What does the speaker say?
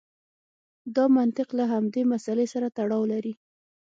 دا منطق له همدې مسئلې سره تړاو لري.